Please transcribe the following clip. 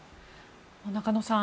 中野さん